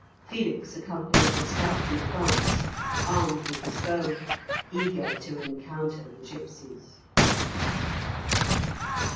Felix accompanied the scout in advance, armed with his bow, eager to encounter the gipsies.